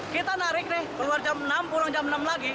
kita narik nih keluar jam enam pulang jam enam lagi